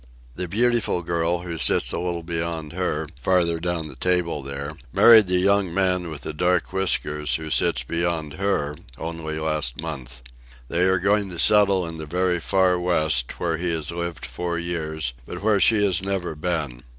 The beautiful girl, who sits a little beyond her—farther down the table there—married the young man with the dark whiskers, who sits beyond her, only last month. They are going to settle in the very Far West, where he has lived four years, but where she has never been.